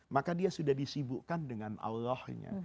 maka dia sudah disibukkan dengan allahnya